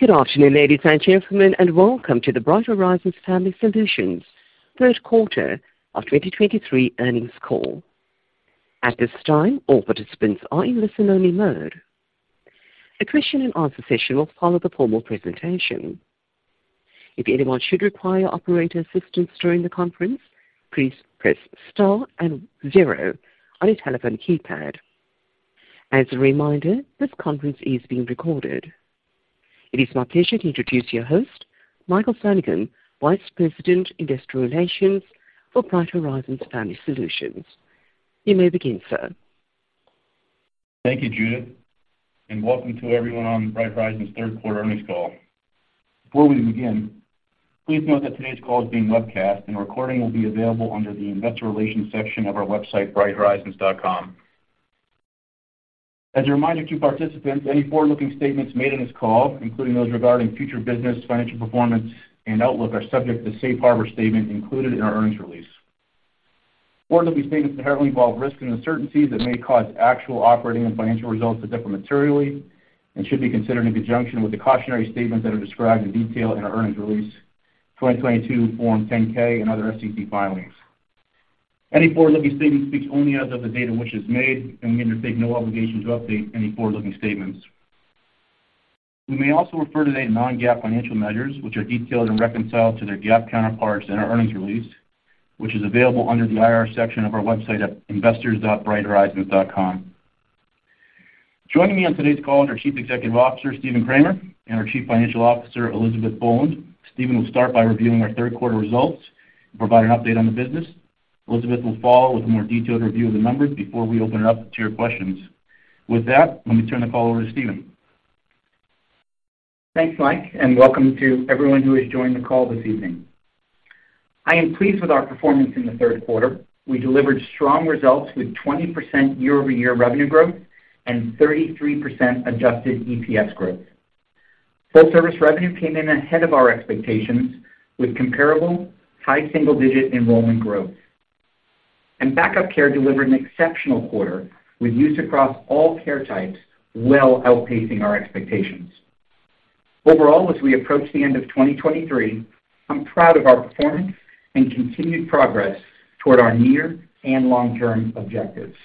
Good afternoon, ladies and gentlemen, and welcome to the Bright Horizons Family Solutions Third Quarter of 2023 Earnings Call. At this time, all participants are in listen-only mode. A question-and-answer session will follow the formal presentation. If anyone should require operator assistance during the conference, please press star and zero on your telephone keypad. As a reminder, this conference is being recorded. It is my pleasure to introduce your host, Michael Flanagan, Vice President, Investor Relations for Bright Horizons Family Solutions. You may begin, sir. Thank you, Judith, and welcome to everyone on Bright Horizons' third quarter earnings call. Before we begin, please note that today's call is being webcast, and a recording will be available under the Investor Relations section of our website, brighthorizons.com. As a reminder to participants, any forward-looking statements made on this call, including those regarding future business, financial performance, and outlook, are subject to the safe harbor statement included in our earnings release. Forward-looking statements inherently involve risks and uncertainties that may cause actual operating and financial results to differ materially and should be considered in conjunction with the cautionary statements that are described in detail in our earnings release, 2022 Form 10-K and other SEC filings. Any forward-looking statement speaks only as of the date of which is made, and we undertake no obligation to update any forward-looking statements. We may also refer to the non-GAAP financial measures, which are detailed and reconciled to their GAAP counterparts in our earnings release, which is available under the IR section of our website at investors.brighthorizons.com. Joining me on today's call is our Chief Executive Officer, Stephen Kramer, and our Chief Financial Officer, Elizabeth Boland. Stephen will start by reviewing our third quarter results and provide an update on the business. Elizabeth will follow with a more detailed review of the numbers before we open it up to your questions. With that, let me turn the call over to Stephen. Thanks, Mike, and welcome to everyone who has joined the call this evening. I am pleased with our performance in the third quarter. We delivered strong results with 20% year-over-year revenue growth and 33% adjusted EPS growth. Full service revenue came in ahead of our expectations, with comparable high single-digit enrollment growth. Backup care delivered an exceptional quarter, with use across all care types well outpacing our expectations. Overall, as we approach the end of 2023, I'm proud of our performance and continued progress toward our near and long-term objectives.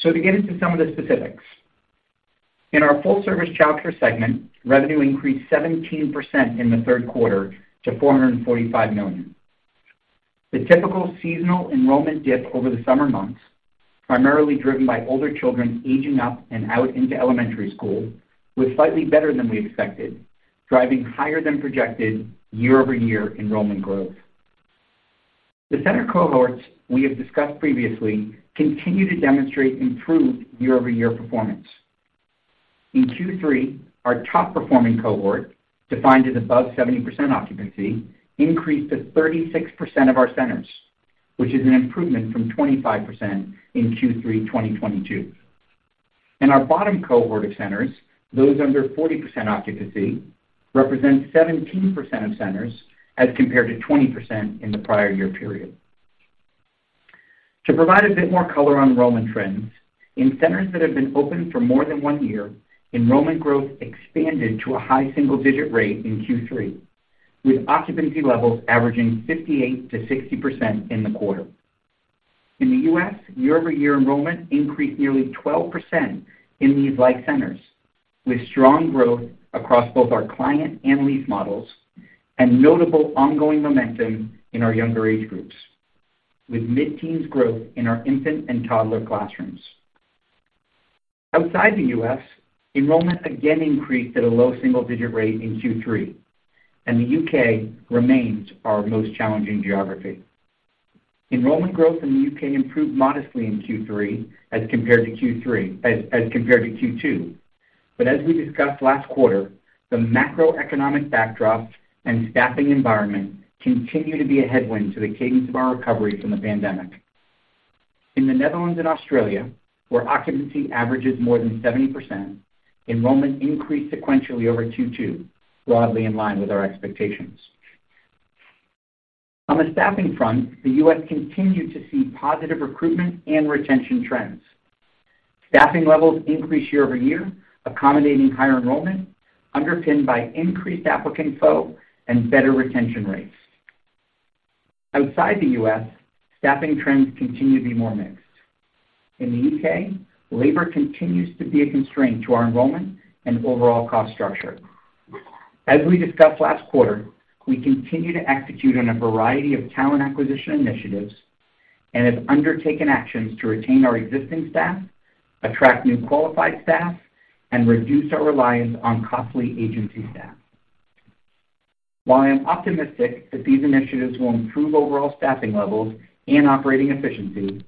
To get into some of the specifics. In our full-service child care segment, revenue increased 17% in the third quarter to $445 million. The typical seasonal enrollment dip over the summer months, primarily driven by older children aging up and out into elementary school, was slightly better than we expected, driving higher than projected year-over-year enrollment growth. The center cohorts we have discussed previously continue to demonstrate improved year-over-year performance. In Q3, our top-performing cohort, defined as above 70% occupancy, increased to 36% of our centers, which is an improvement from 25% in Q3 2022. In our bottom cohort of centers, those under 40% occupancy, represent 17% of centers, as compared to 20% in the prior year period. To provide a bit more color on enrollment trends, in centers that have been open for more than one year, enrollment growth expanded to a high single-digit rate in Q3, with occupancy levels averaging 58%-60% in the quarter. In the U.S., year-over-year enrollment increased nearly 12% in these like centers, with strong growth across both our client and lease models and notable ongoing momentum in our younger age groups, with mid-teens growth in our infant and toddler classrooms. Outside the U.S., enrollment again increased at a low single-digit rate in Q3, and the U.K. remains our most challenging geography. Enrollment growth in the U.K. improved modestly in Q3 as compared to Q2. But as we discussed last quarter, the macroeconomic backdrop and staffing environment continue to be a headwind to the cadence of our recovery from the pandemic. In the Netherlands and Australia, where occupancy averages more than 70%, enrollment increased sequentially over Q2, broadly in line with our expectations. On the staffing front, the U.S. continued to see positive recruitment and retention trends. Staffing levels increased year-over-year, accommodating higher enrollment, underpinned by increased applicant flow and better retention rates. Outside the U.S., staffing trends continue to be more mixed. In the U.K., labor continues to be a constraint to our enrollment and overall cost structure. As we discussed last quarter, we continue to execute on a variety of talent acquisition initiatives and have undertaken actions to retain our existing staff, attract new qualified staff, and reduce our reliance on costly agency staff. While I'm optimistic that these initiatives will improve overall staffing levels and operating efficiency,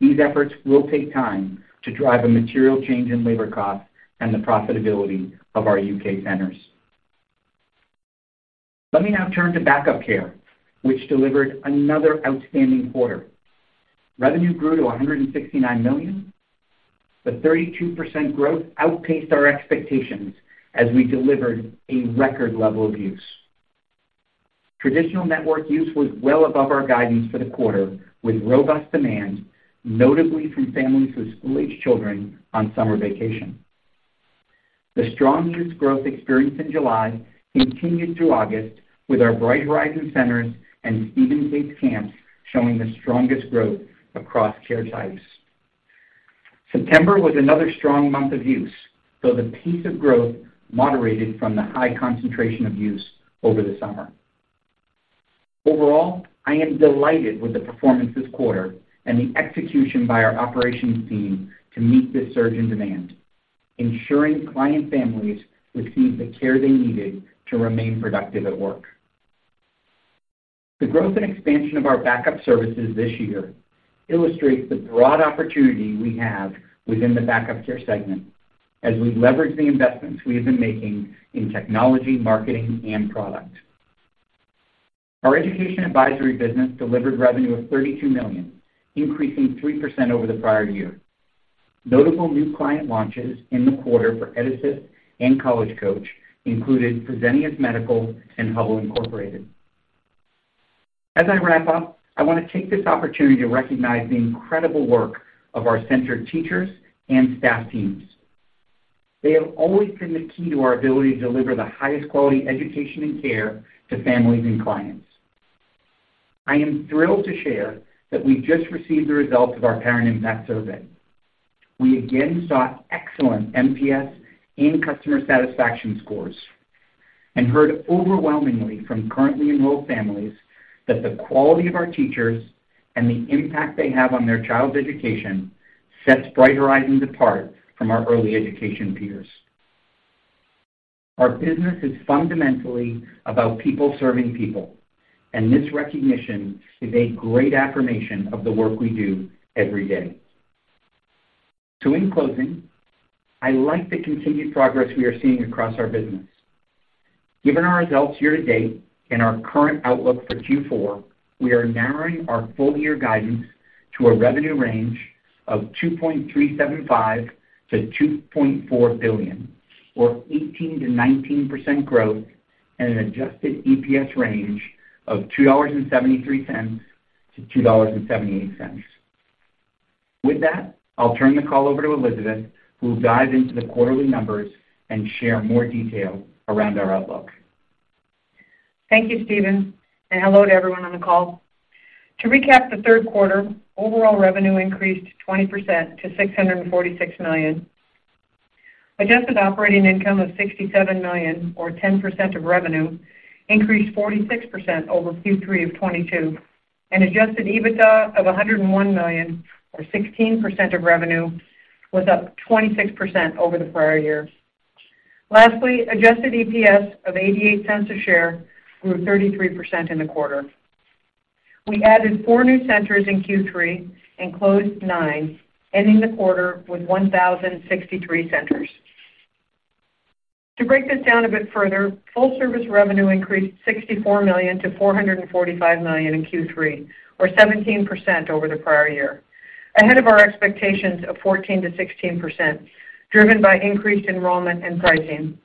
these efforts will take time to drive a material change in labor costs and the profitability of our U.K. centers. Let me now turn to backup care, which delivered another outstanding quarter. Revenue grew to $169 million. The 32% growth outpaced our expectations as we delivered a record level of use.... Traditional network use was well above our guidance for the quarter, with robust demand, notably from families with school-aged children on summer vacation. The strong use growth experienced in July continued through August, with our Bright Horizons centers and Steve & Kate's Camp camps showing the strongest growth across care types. September was another strong month of use, though the pace of growth moderated from the high concentration of use over the summer. Overall, I am delighted with the performance this quarter and the execution by our operations team to meet this surge in demand, ensuring client families received the care they needed to remain productive at work. The growth and expansion of our backup services this year illustrates the broad opportunity we have within the backup care segment as we leverage the investments we have been making in technology, marketing, and product. Our education advisory business delivered revenue of $32 million, increasing 3% over the prior year. Notable new client launches in the quarter for EdAssist and College Coach included Fresenius Medical Care and Hubbell Incorporated. As I wrap up, I want to take this opportunity to recognize the incredible work of our center teachers and staff teams. They have always been the key to our ability to deliver the highest quality education and care to families and clients. I am thrilled to share that we've just received the results of our parent impact survey. We again saw excellent NPS and customer satisfaction scores, and heard overwhelmingly from currently enrolled families that the quality of our teachers and the impact they have on their child's education sets Bright Horizons apart from our early education peers. Our business is fundamentally about people serving people, and this recognition is a great affirmation of the work we do every day. So in closing, I like the continued progress we are seeing across our business. Given our results year-to-date and our current outlook for Q4, we are narrowing our full-year guidance to a revenue range of $2.375-$2.4 billion, or 18%-19% growth, and an Adjusted EPS range of $2.73-$2.78. With that, I'll turn the call over to Elizabeth, who will dive into the quarterly numbers and share more detail around our outlook. Thank you, Stephen, and hello to everyone on the call. To recap the third quarter, overall revenue increased 20% to $646 million. Adjusted operating income of $67 million, or 10% of revenue, increased 46% over Q3 of 2022, and adjusted EBITDA of $101 million, or 16% of revenue, was up 26% over the prior year. Lastly, adjusted EPS of $0.88 a share grew 33% in the quarter. We added four new centers in Q3 and closed nine, ending the quarter with 1,063 centers. To break this down a bit further, Full-Service revenue increased $64 million to $445 million in Q3, or 17% over the prior year, ahead of our expectations of 14%-16%, driven by increased enrollment and pricing.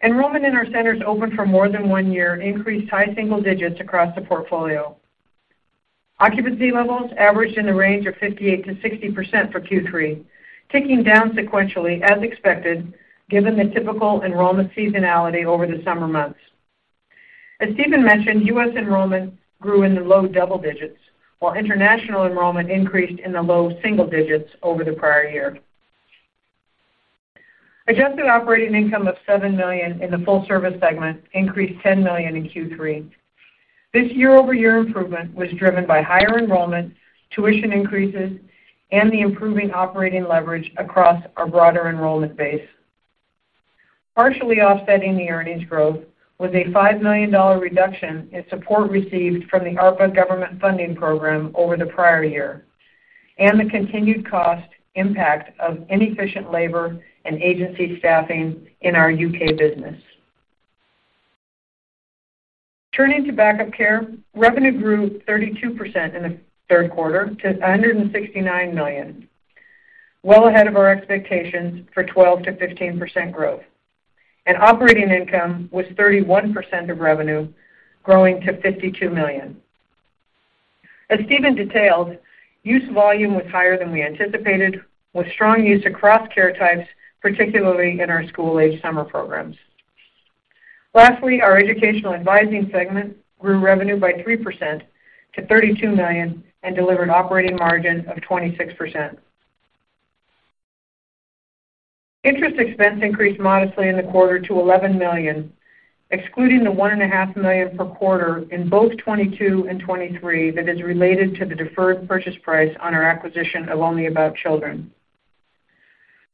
Enrollment in our centers open for more than 1 year increased high single digits across the portfolio. Occupancy levels averaged in the range of 58%-60% for Q3, ticking down sequentially, as expected, given the typical enrollment seasonality over the summer months. As Stephen mentioned, US enrollment grew in the low double digits, while international enrollment increased in the low single digits over the prior year. Adjusted operating income of $7 million in the full-service segment increased $10 million in Q3. This year-over-year improvement was driven by higher enrollment, tuition increases, and the improving operating leverage across our broader enrollment base. Partially offsetting the earnings growth was a $5 million reduction in support received from the ARPA government funding program over the prior year, and the continued cost impact of inefficient labor and agency staffing in our UK business. Turning to backup care, revenue grew 32% in the third quarter to $169 million, well ahead of our expectations for 12%-15% growth, and operating income was 31% of revenue, growing to $52 million. As Stephen detailed, use volume was higher than we anticipated, with strong use across care types, particularly in our school-aged summer programs. Lastly, our educational advising segment grew revenue by 3% to $32 million and delivered operating margin of 26%. Interest expense increased modestly in the quarter to $11 million, excluding the $1.5 million per quarter in both 2022 and 2023, that is related to the deferred purchase price on our acquisition of Only About Children.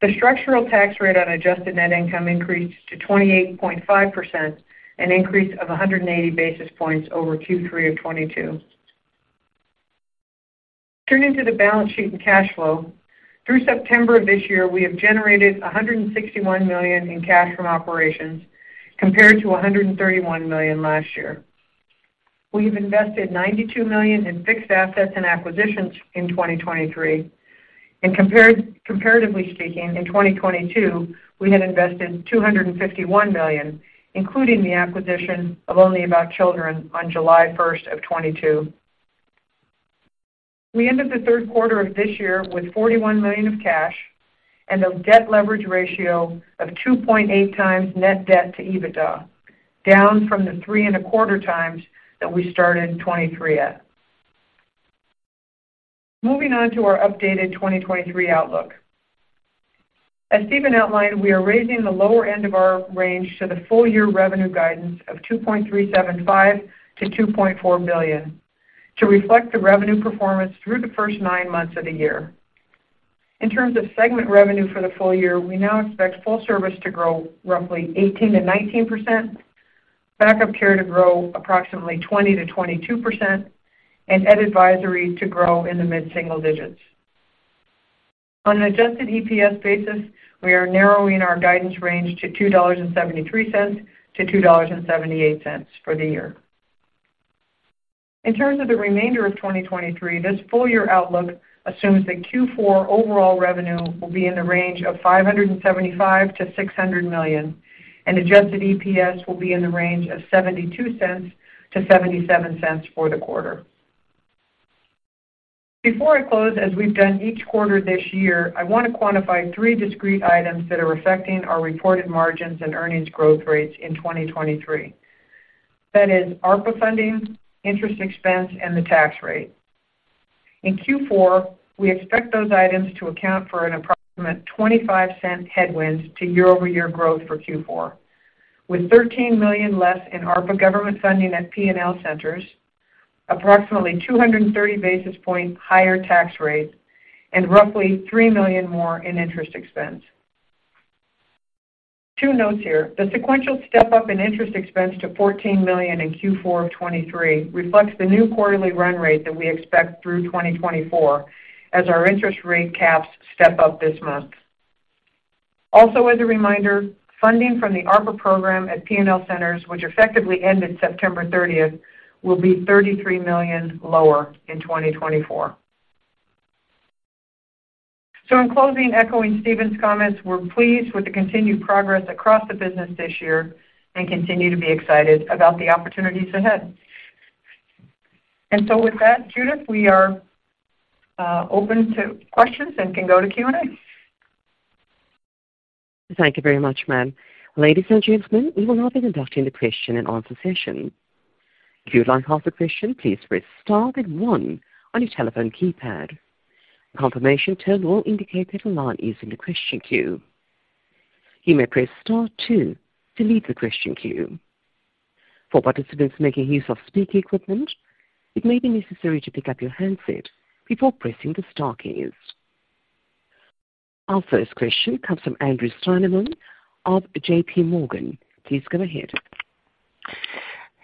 The structural tax rate on adjusted net income increased to 28.5%, an increase of 180 basis points over Q3 of 2022. Turning to the balance sheet and cash flow. Through September of this year, we have generated $161 million in cash from operations, compared to $131 million last year. We've invested $92 million in fixed assets and acquisitions in 2023, and comparatively speaking, in 2022, we had invested $251 million, including the acquisition of Only About Children on July 1st of 2022. We ended the third quarter of this year with $41 million of cash and a debt leverage ratio of 2.8x net debt to EBITDA, down from the 3.25x that we started in 2023 at. Moving on to our updated 2023 outlook. As Stephen outlined, we are raising the lower end of our range to the full year revenue guidance of $2.375 billion-$2.4 billion, to reflect the revenue performance through the first nine months of the year. In terms of segment revenue for the full year, we now expect full service to grow roughly 18%-19%, backup care to grow approximately 20%-22%, and Ed Advisory to grow in the mid-single digits. On an Adjusted EPS basis, we are narrowing our guidance range to $2.73-$2.78 for the year. In terms of the remainder of 2023, this full year outlook assumes that Q4 overall revenue will be in the range of $575 million-$600 million, and adjusted EPS will be in the range of $0.72-$0.77 for the quarter. Before I close, as we've done each quarter this year, I want to quantify three discrete items that are affecting our reported margins and earnings growth rates in 2023. That is ARPA funding, interest expense, and the tax rate. In Q4, we expect those items to account for an approximate $0.25 headwind to year-over-year growth for Q4, with $13 million less in ARPA government funding at P&L centers, approximately 230 basis points higher tax rates, and roughly $3 million more in interest expense. Two notes here: the sequential step up in interest expense to $14 million in Q4 of 2023 reflects the new quarterly run rate that we expect through 2024, as our interest rate caps step up this month. Also, as a reminder, funding from the ARPA program at P&L centers, which effectively ended September 30, will be $33 million lower in 2024. So in closing, echoing Stephen's comments, we're pleased with the continued progress across the business this year and continue to be excited about the opportunities ahead. And so with that, Judith, we are open to questions and can go to Q&A. Thank you very much, ma'am. Ladies and gentlemen, we will now be conducting the question and answer session. If you would like to ask a question, please press star then one on your telephone keypad. A confirmation tone will indicate that the line is in the question queue. You may press star two to leave the question queue. For participants making use of speaker equipment, it may be necessary to pick up your handset before pressing the star keys. Our first question comes from Andrew Steinerman of JPMorgan. Please go ahead.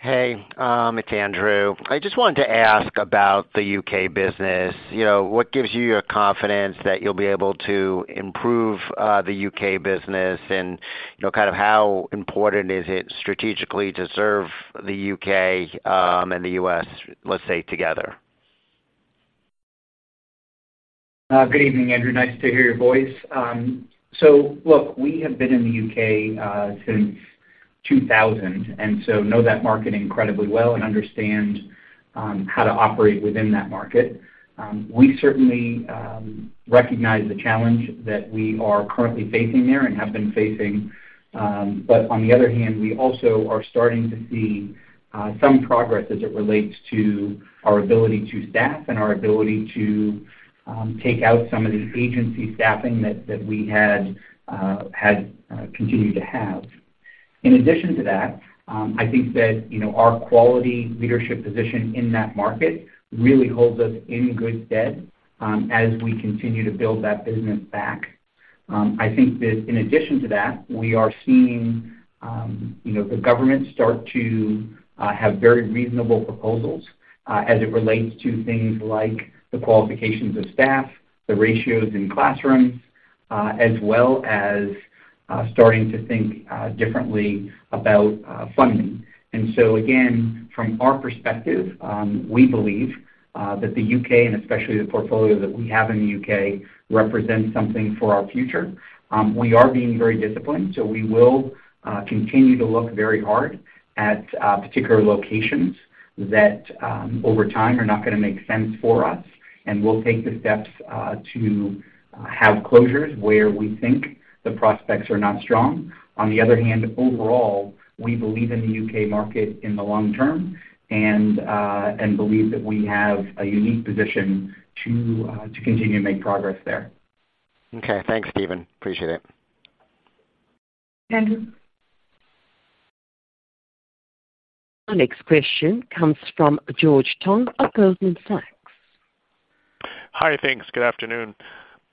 Hey, it's Andrew. I just wanted to ask about the U.K. business. You know, what gives you your confidence that you'll be able to improve the U.K. business? And, you know, kind of how important is it strategically to serve the U.K. and the U.S., let's say, together? Good evening, Andrew. Nice to hear your voice. So look, we have been in the UK since 2000, and so know that market incredibly well and understand how to operate within that market. We certainly recognize the challenge that we are currently facing there and have been facing. But on the other hand, we also are starting to see some progress as it relates to our ability to staff and our ability to take out some of the agency staffing that we had continued to have. In addition to that, I think that, you know, our quality leadership position in that market really holds us in good stead as we continue to build that business back. I think that in addition to that, we are seeing, you know, the government start to have very reasonable proposals, as it relates to things like the qualifications of staff, the ratios in classrooms, as well as starting to think differently about funding. And so again, from our perspective, we believe that the U.K. and especially the portfolio that we have in the U.K. represents something for our future. We are being very disciplined, so we will continue to look very hard at particular locations that, over time are not gonna make sense for us, and we'll take the steps to have closures where we think the prospects are not strong. On the other hand, overall, we believe in the UK market in the long term and, and believe that we have a unique position to, to continue to make progress there. Okay. Thanks, Stephen. Appreciate it. Thank you. Our next question comes from George Tong of Goldman Sachs. Hi, thanks. Good afternoon.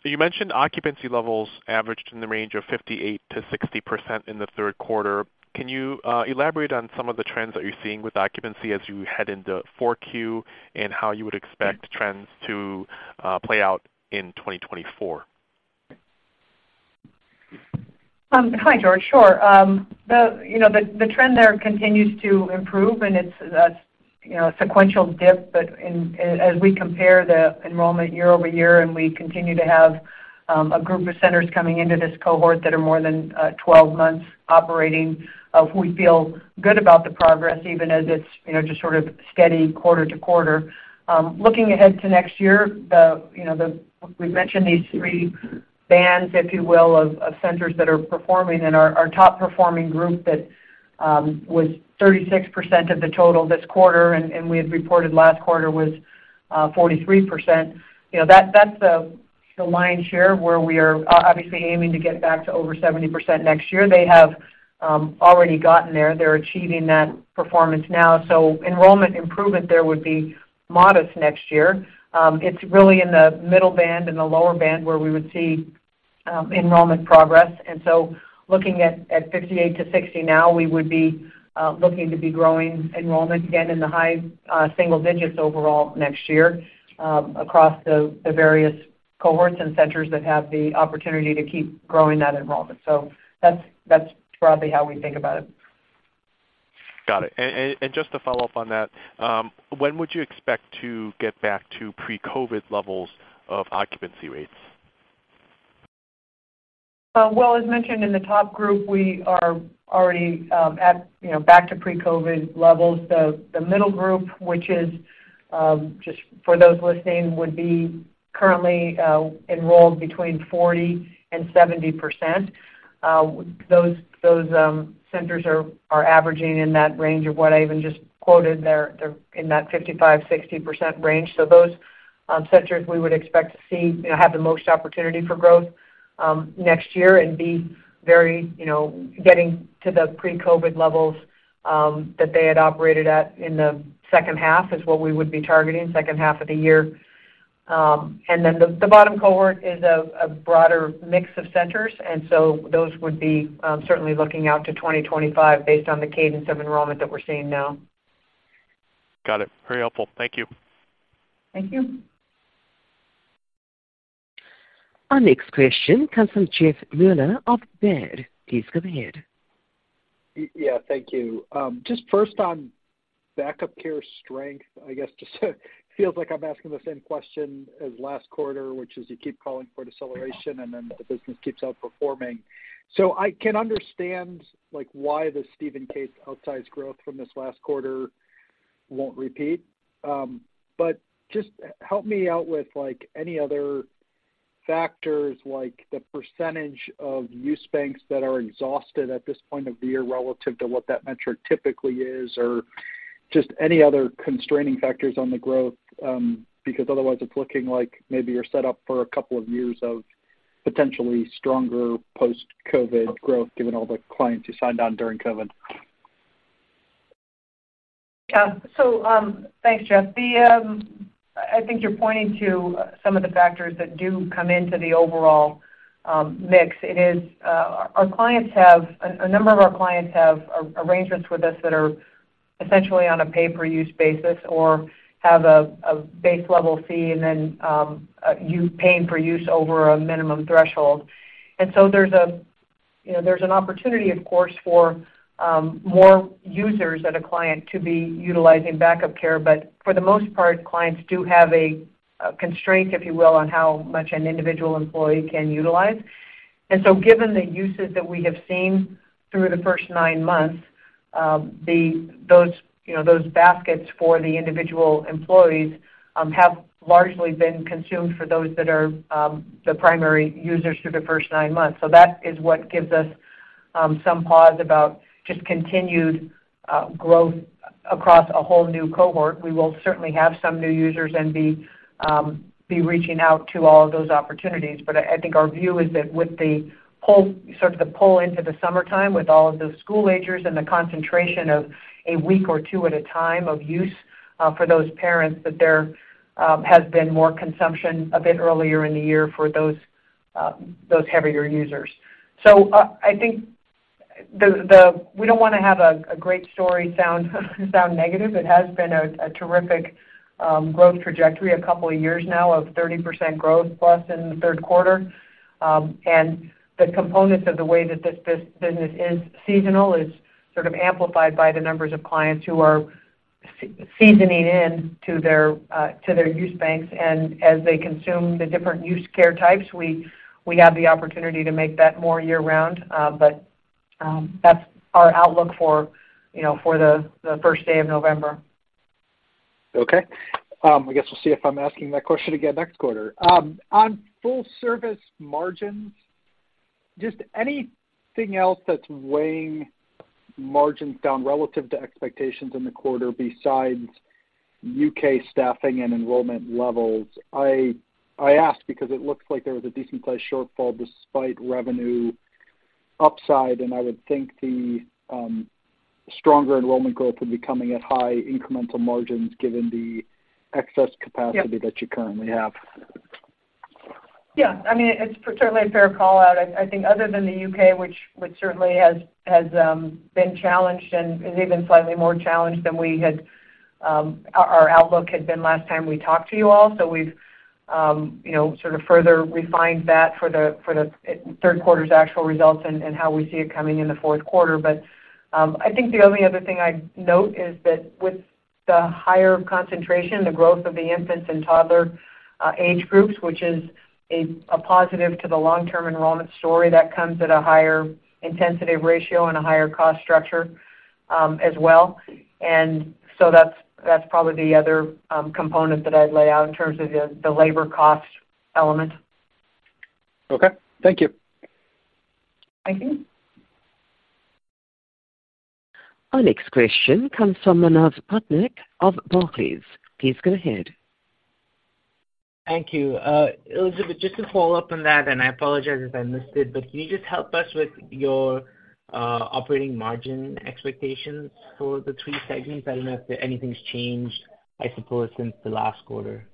So you mentioned occupancy levels averaged in the range of 58%-60% in the third quarter. Can you elaborate on some of the trends that you're seeing with occupancy as you head into Q4, and how you would expect trends to play out in 2024? Hi, George. Sure. The, you know, the trend there continues to improve, and it's a, you know, sequential dip, but in, as we compare the enrollment year-over-year, and we continue to have a group of centers coming into this cohort that are more than 12 months operating, we feel good about the progress, even as it's, you know, just sort of steady quarter-to-quarter. Looking ahead to next year, you know, we've mentioned these three bands, if you will, of centers that are performing, and our top performing group that was 36% of the total this quarter, and we had reported last quarter was 43%. You know, that's the line here, where we are obviously aiming to get back to over 70% next year. They have already gotten there. They're achieving that performance now. So enrollment improvement there would be modest next year. It's really in the middle band and the lower band where we would see enrollment progress. So looking at 58-60 now, we would be looking to be growing enrollment again in the high single digits overall next year, across the various cohorts and centers that have the opportunity to keep growing that enrollment. So that's broadly how we think about it. Got it. And just to follow up on that, when would you expect to get back to pre-COVID levels of occupancy rates? Well, as mentioned in the top group, we are already at, you know, back to pre-COVID levels. The middle group, which is just for those listening, would be currently enrolled between 40%-70%. Those centers are averaging in that range of what I even just quoted. They're in that 55%-60% range. So those centers, we would expect to see, you know, have the most opportunity for growth next year and be very, you know, getting to the pre-COVID levels that they had operated at in the second half, is what we would be targeting, second half of the year. And then the bottom cohort is a broader mix of centers, and so those would be certainly looking out to 2025 based on the cadence of enrollment that we're seeing now. Got it. Very helpful. Thank you. Thank you. Our next question comes from Jeffrey Meuler of Baird. Please go ahead. Yeah. Thank you. Just first on back-up care strength, I guess, just feels like I'm asking the same question as last quarter, which is you keep calling for deceleration, and then the business keeps outperforming. So I can understand, like, why the Steve & Kate's outsized growth from this last quarter won't repeat. But just help me out with, like, any other factors, like the percentage of use banks that are exhausted at this point of the year relative to what that metric typically is, or just any other constraining factors on the growth. Because otherwise, it's looking like maybe you're set up for a couple of years of potentially stronger post-COVID growth, given all the clients you signed on during COVID. Yeah. So, thanks, Jeff. The, I think you're pointing to some of the factors that do come into the overall mix. It is, our clients have... A number of our clients have arrangements with us that are essentially on a pay-per-use basis or have a base level fee, and then, you paying for use over a minimum threshold. And so there's a, you know, there's an opportunity, of course, for more users at a client to be utilizing backup care, but for the most part, clients do have a constraint, if you will, on how much an individual employee can utilize. And so given the usage that we have seen through the first nine months, those, you know, those baskets for the individual employees have largely been consumed for those that are the primary users through the first nine months. So that is what gives us some pause about just continued growth across a whole new cohort. We will certainly have some new users and be reaching out to all of those opportunities. But I think our view is that with the pull, sort of, the pull into the summertime, with all of those school-agers and the concentration of a week or two at a time of use for those parents, that there has been more consumption a bit earlier in the year for those heavier users. So, I think we don't wanna have a great story sound negative. It has been a terrific growth trajectory, a couple of years now of 30% growth, plus in the third quarter. And the components of the way that this business is seasonal is sort of amplified by the numbers of clients who are seasoning in to their use banks. And as they consume the different use care types, we have the opportunity to make that more year-round. That's our outlook for the first day of November. Okay. I guess we'll see if I'm asking that question again next quarter. On Full-Service margins, just anything else that's weighing margins down relative to expectations in the quarter besides UK staffing and enrollment levels? I ask because it looks like there was a decent-sized shortfall despite revenue upside, and I would think the stronger enrollment growth would be coming at high incremental margins, given the excess capacity- Yep. -that you currently have.... Yeah, I mean, it's certainly a fair call-out. I think other than the UK, which certainly has been challenged and is even slightly more challenged than we had our outlook had been last time we talked to you all. So we've, you know, sort of further refined that for the third quarter's actual results and how we see it coming in the fourth quarter. But I think the only other thing I'd note is that with the higher concentration, the growth of the infants and toddler age groups, which is a positive to the long-term enrollment story, that comes at a higher intensity ratio and a higher cost structure, as well. And so that's probably the other component that I'd lay out in terms of the labor cost element. Okay, thank you. Thank you. Our next question comes from Manav Patnaik of Barclays. Please go ahead. Thank you. Elizabeth, just to follow up on that, and I apologize if I missed it, but can you just help us with your operating margin expectations for the three segments? I don't know if anything's changed, I suppose, since the last quarter.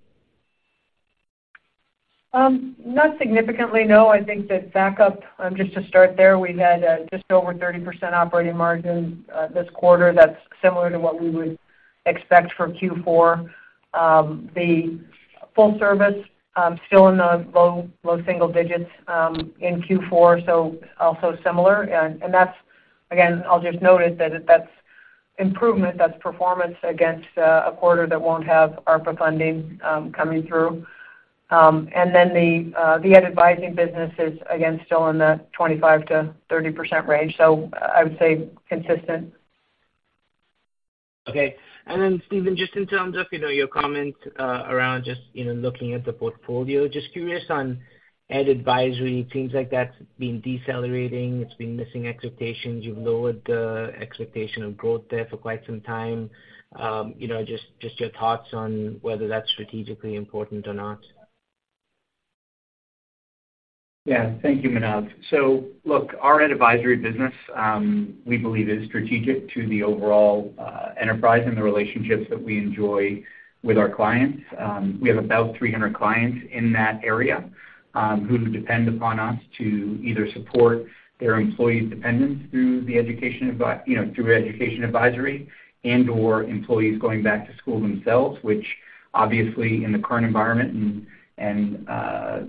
Not significantly, no. I think that backup, just to start there, we've had just over 30% operating margin this quarter. That's similar to what we would expect for Q4. The full service, still in the low, low single digits in Q4, so also similar. And that's, again, I'll just note it, that's improvement, that's performance against a quarter that won't have ARPA funding coming through. And then the Ed Advisory business is, again, still in the 25%-30% range. So I would say consistent. Okay. And then, Stephen, just in terms of, you know, your comment around just, you know, looking at the portfolio, just curious on Ed Advisory, it seems like that's been decelerating, it's been missing expectations. You've lowered the expectation of growth there for quite some time. You know, just, just your thoughts on whether that's strategically important or not? Yeah. Thank you, Manav. So look, our Ed Advisory business, we believe is strategic to the overall enterprise and the relationships that we enjoy with our clients. We have about 300 clients in that area, who depend upon us to either support their employees' dependents through the education advisory and/or employees going back to school themselves, which obviously, in the current environment and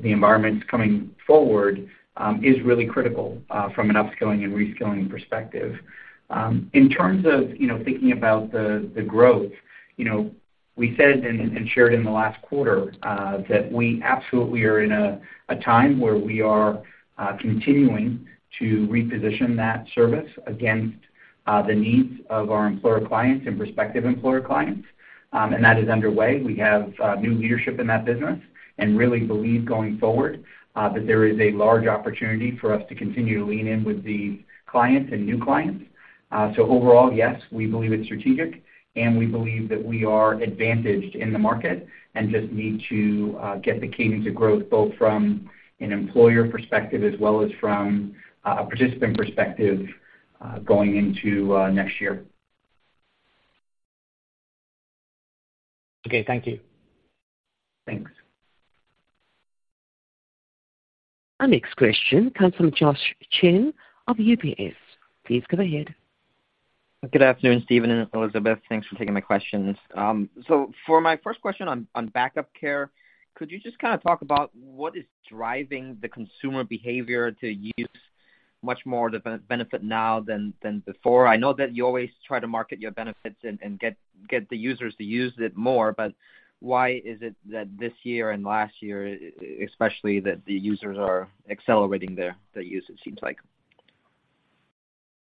the environments coming forward, is really critical from an upskilling and reskilling perspective. In terms of, you know, thinking about the growth, you know, we said and shared in the last quarter that we absolutely are in a time where we are continuing to reposition that service against the needs of our employer clients and prospective employer clients. And that is underway. We have new leadership in that business and really believe going forward that there is a large opportunity for us to continue to lean in with the clients and new clients. So overall, yes, we believe it's strategic, and we believe that we are advantaged in the market and just need to get the cadence of growth, both from an employer perspective as well as from a participant perspective, going into next year. Okay. Thank you. Thanks. Our next question comes from Joshua Chan of UBS. Please go ahead. Good afternoon, Stephen and Elizabeth. Thanks for taking my questions. So for my first question on backup care, could you just kind of talk about what is driving the consumer behavior to use much more of the benefit now than before? I know that you always try to market your benefits and get the users to use it more, but why is it that this year and last year, especially, that the users are accelerating their use, it seems like?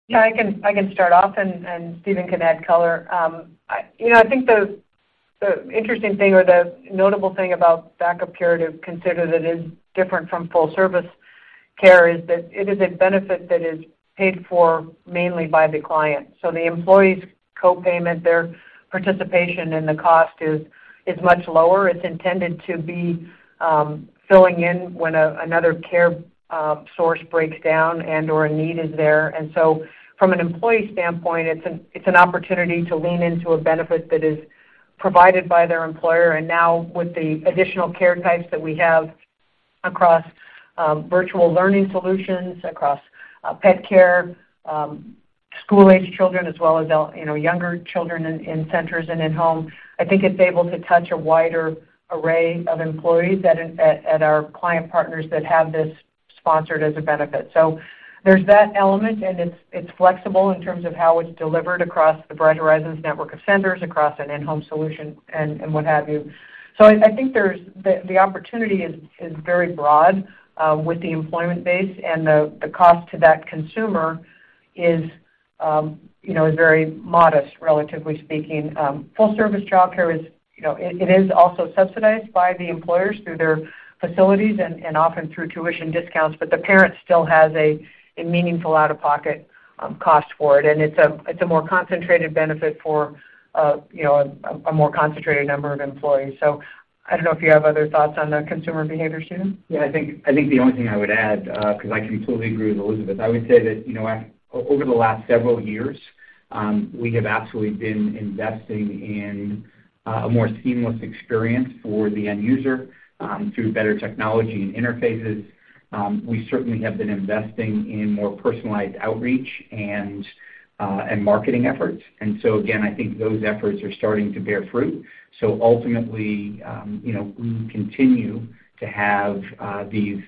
Yeah, I can, I can start off, and, and Stephen can add color. You know, I think the, the interesting thing or the notable thing about backup care to consider that is different from full service care is that it is a benefit that is paid for mainly by the client. So the employee's co-payment, their participation in the cost is, is much lower. It's intended to be, filling in when a, another care source breaks down and/or a need is there. And so from an employee standpoint, it's an, it's an opportunity to lean into a benefit that is provided by their employer. And now with the additional care types that we have across virtual learning solutions, across pet care, school-aged children, as well as, you know, younger children in centers and in-home, I think it's able to touch a wider array of employees at our client partners that have this sponsored as a benefit. So there's that element, and it's flexible in terms of how it's delivered across the Bright Horizons network of centers, across an in-home solution and what have you. So I think there's... The opportunity is very broad with the employment base, and the cost to that consumer is, you know, very modest, relatively speaking. Full-Service Child Care is, you know, it is also subsidized by the employers through their facilities and often through tuition discounts, but the parent still has a meaningful out-of-pocket cost for it. And it's a more concentrated benefit for, you know, a more concentrated number of employees. So I don't know if you have other thoughts on the consumer behavior, Stephen? Yeah, I think the only thing I would add, 'cause I completely agree with Elizabeth. I would say that, you know, over the last several years, we have absolutely been investing in a more seamless experience for the end user through better technology and interfaces. We certainly have been investing in more personalized outreach and marketing efforts. And so again, I think those efforts are starting to bear fruit. So ultimately, you know, we continue to have these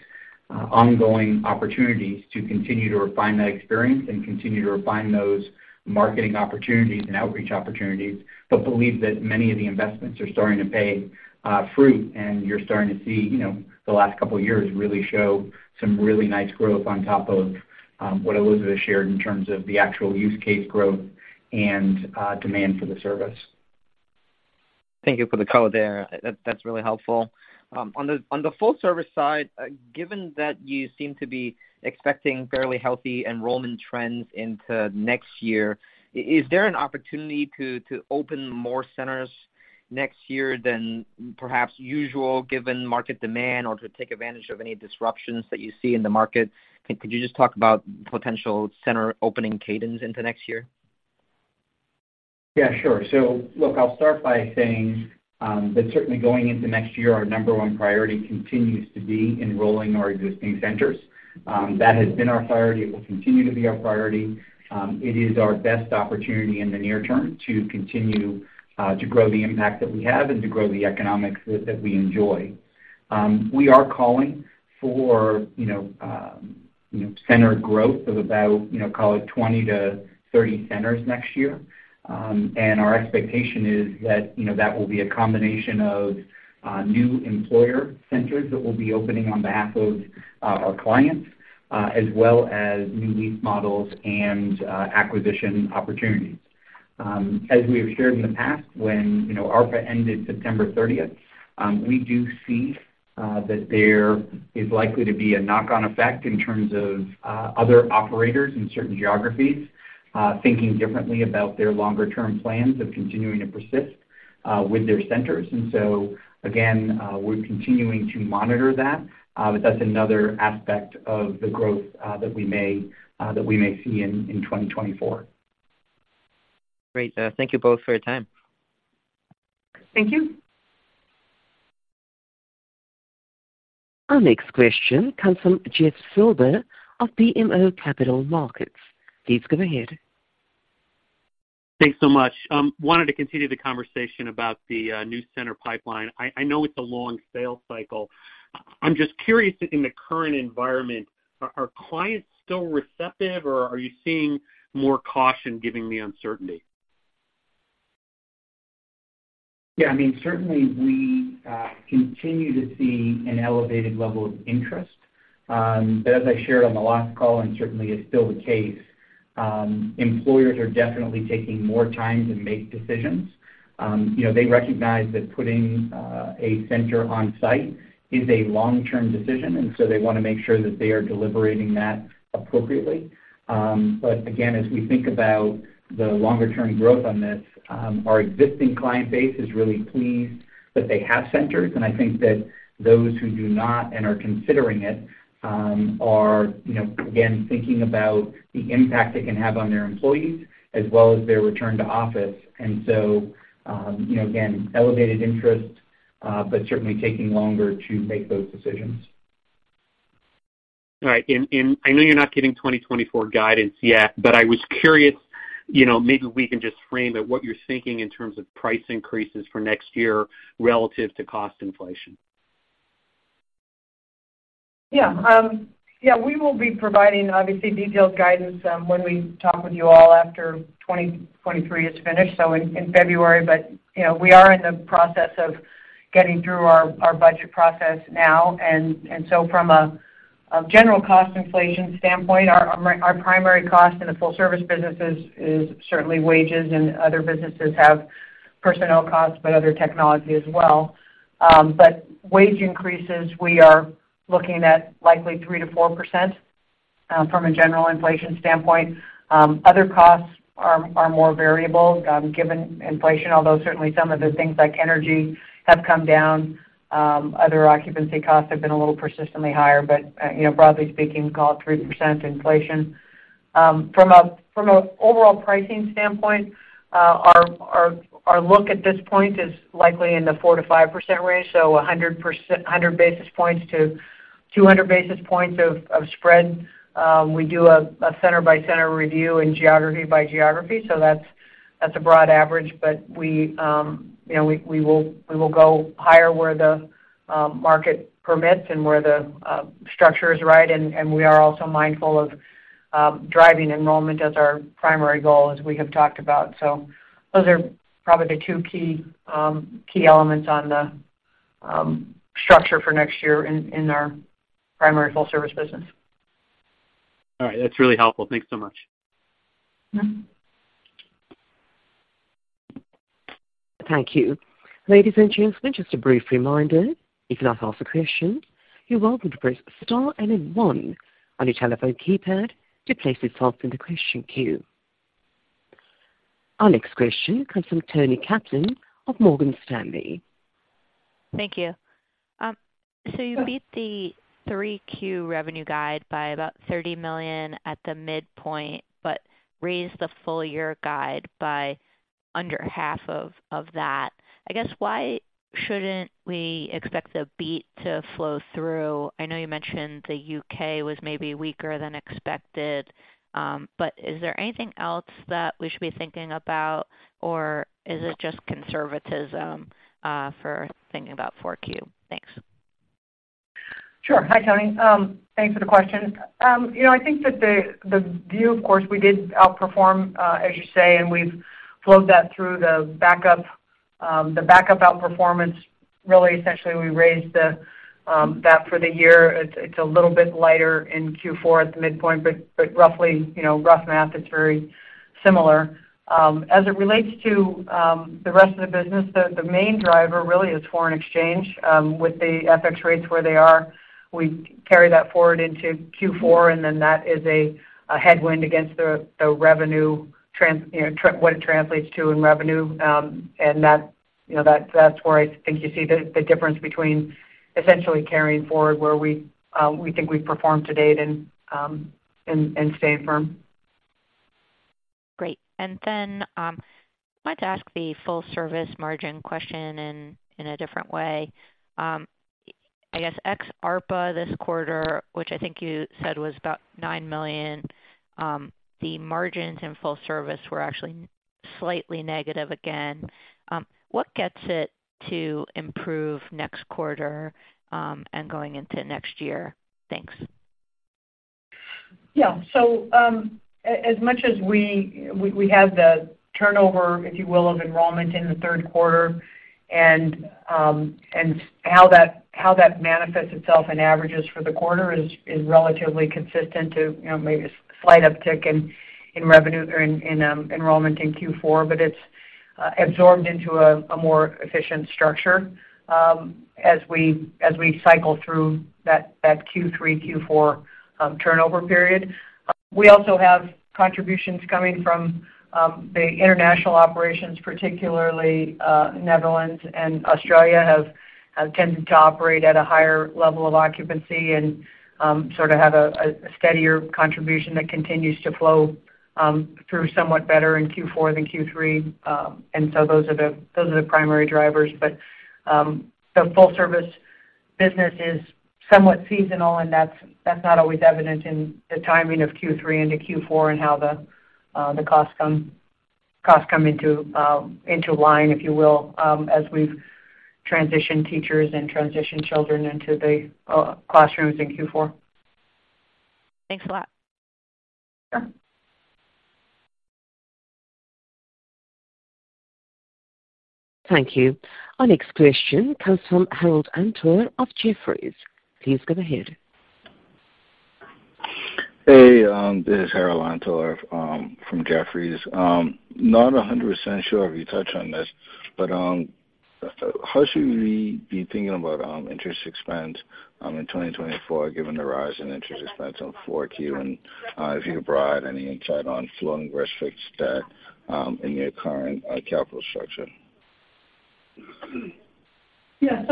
ongoing opportunities to continue to refine that experience and continue to refine those marketing opportunities and outreach opportunities, but believe that many of the investments are starting to pay fruit, and you're starting to see, you know, the last couple of years really show some really nice growth on top of what Elizabeth shared in terms of the actual use case growth and demand for the service. Thank you for the color there. That, that's really helpful. On the full-service side, given that you seem to be expecting fairly healthy enrollment trends into next year, is there an opportunity to open more centers next year than perhaps usual, given market demand or to take advantage of any disruptions that you see in the market? Could you just talk about potential center opening cadence into next year? Yeah, sure. So look, I'll start by saying that certainly going into next year, our number one priority continues to be enrolling our existing centers. That has been our priority. It will continue to be our priority. It is our best opportunity in the near term to continue to grow the impact that we have and to grow the economics that we enjoy. We are calling for, you know, center growth of about, you know, call it 20-30 centers next year. And our expectation is that, you know, that will be a combination of new employer centers that will be opening on behalf of our clients, as well as new lease models and acquisition opportunities. As we have shared in the past, when, you know, ARPA ended September thirtieth, we do see that there is likely to be a knock-on effect in terms of other operators in certain geographies thinking differently about their longer-term plans of continuing to persist with their centers. And so again, we're continuing to monitor that, but that's another aspect of the growth that we may see in 2024. Great. Thank you both for your time. Thank you. Our next question comes from Jeff Silber of BMO Capital Markets. Please go ahead. Thanks so much. Wanted to continue the conversation about the new center pipeline. I know it's a long sales cycle. I'm just curious, in the current environment, are clients still receptive, or are you seeing more caution given the uncertainty? Yeah, I mean, certainly we continue to see an elevated level of interest. But as I shared on the last call, and certainly it's still the case, employers are definitely taking more time to make decisions. You know, they recognize that putting a center on site is a long-term decision, and so they want to make sure that they are deliberating that appropriately. But again, as we think about the longer-term growth on this, our existing client base is really pleased that they have centers, and I think that those who do not and are considering it are, you know, again, thinking about the impact it can have on their employees as well as their return to office. And so, you know, again, elevated interest, but certainly taking longer to make those decisions. All right. And I know you're not giving 2024 guidance yet, but I was curious, you know, maybe we can just frame it, what you're thinking in terms of price increases for next year relative to cost inflation. Yeah. Yeah, we will be providing, obviously, detailed guidance, when we talk with you all after 2023 is finished, so in February. But, you know, we are in the process of getting through our budget process now. And so from a general cost inflation standpoint, our primary cost in the full service businesses is certainly wages, and other businesses have personnel costs, but other technology as well. But wage increases, we are looking at likely 3%-4%, from a general inflation standpoint. Other costs are more variable, given inflation, although certainly some of the things like energy have come down. Other occupancy costs have been a little persistently higher, but, you know, broadly speaking, call it 3% inflation. From an overall pricing standpoint, our look at this point is likely in the 4%-5% range, so 100 basis points-200 basis points of spread. We do a center-by-center review and geography by geography, so that's a broad average. But we, you know, we will go higher where the market permits and where the structure is right. And we are also mindful of driving enrollment as our primary goal, as we have talked about. So those are probably the two key elements on the structure for next year in our primary full-service business. All right. That's really helpful. Thanks so much. Mm-hmm. Thank you. Ladies and gentlemen, just a brief reminder. If you'd like to ask a question, you're welcome to press star and then one on your telephone keypad to place yourself in the question queue. Our next question comes from Toni Kaplan of Morgan Stanley. Thank you. So you beat the 3Q revenue guide by about $30 million at the midpoint, but raised the full year guide by...... under half of that. I guess, why shouldn't we expect the beat to flow through? I know you mentioned the UK was maybe weaker than expected, but is there anything else that we should be thinking about, or is it just conservatism for thinking about 4Q? Thanks. Sure. Hi, Toni. Thanks for the question. You know, I think that the view, of course, we did outperform, as you say, and we've flowed that through the backup, the backup outperformance. Really, essentially, we raised that for the year. It's a little bit lighter in Q4 at the midpoint, but roughly, you know, rough math, it's very similar. As it relates to the rest of the business, the main driver really is foreign exchange. With the FX rates where they are, we carry that forward into Q4, and then that is a headwind against the revenue trans - you know, trans... What it translates to in revenue. and that, you know, that's where I think you see the difference between essentially carrying forward where we think we've performed to date and staying firm. Great. And then, I'd like to ask the full service margin question in a different way. I guess ex ARPA this quarter, which I think you said was about $9 million, the margins in full service were actually slightly negative again. What gets it to improve next quarter, and going into next year? Thanks. Yeah. So, as much as we have the turnover, if you will, of enrollment in the third quarter, and how that manifests itself in averages for the quarter is relatively consistent to, you know, maybe a slight uptick in revenue or in enrollment in Q4. But it's absorbed into a more efficient structure, as we cycle through that Q3, Q4 turnover period. We also have contributions coming from the international operations, particularly Netherlands and Australia have tended to operate at a higher level of occupancy and sort of have a steadier contribution that continues to flow through somewhat better in Q4 than Q3. And so those are the primary drivers. But the full service business is somewhat seasonal, and that's not always evident in the timing of Q3 into Q4 and how the costs come into line, if you will, as we've transitioned teachers and transitioned children into the classrooms in Q4. Thanks a lot. Sure. Thank you. Our next question comes from Harold Antor of Jefferies. Please go ahead. Hey, this is Harold Antor from Jefferies. Not 100% sure if you touched on this, but how should we be thinking about interest expense in 2024, given the rise in interest expense on Q4? And if you could provide any insight on floating versus fixed debt in your current capital structure? Yeah.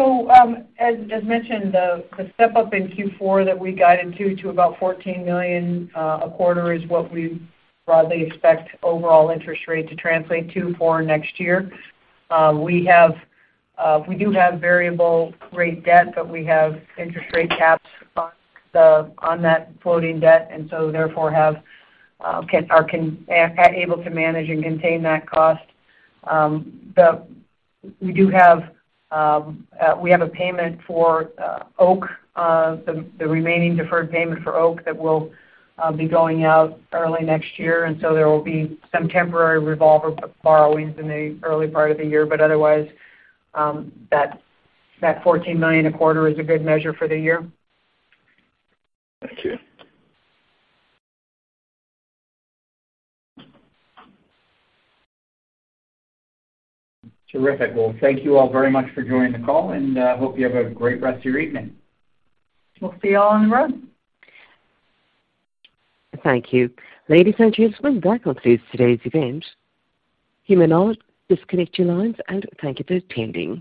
As mentioned, the step up in Q4 that we got into, to about $14 million a quarter, is what we broadly expect overall interest rate to translate to for next year. We do have variable rate debt, but we have interest rate caps on that floating debt, and therefore, are able to manage and contain that cost. We do have a payment for OAC, the remaining deferred payment for OAC that will be going out early next year, and so there will be some temporary revolver borrowings in the early part of the year. Otherwise, that $14 million a quarter is a good measure for the year. Thank you. Terrific. Well, thank you all very much for joining the call, and hope you have a great rest of your evening. We'll see you all on the road. Thank you. Ladies and gentlemen, that concludes today's event. You may now disconnect your lines, and thank you for attending.